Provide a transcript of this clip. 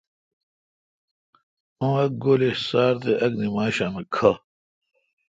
اُن ا ک گولے°سار تےاک نمشام کھہ